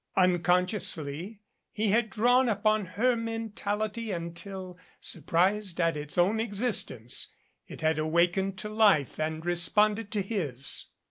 Unconsciously he had drawn upon her mentality until, surprised at its own existence, it had awakened to life and responded to his.